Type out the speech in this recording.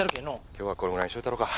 今日はこれぐらいにしといたろか。